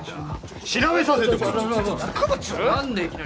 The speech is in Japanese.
何でいきなり。